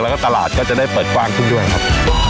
แล้วก็ตลาดก็จะได้เปิดกว้างขึ้นด้วยครับ